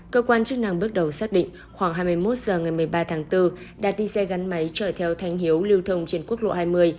cơ quan chức năng bước đầu xác định khoảng hai mươi một h ngày một mươi ba tháng bốn đạt đi xe gắn máy chở theo thanh hiếu lưu thông trên quốc lộ hai mươi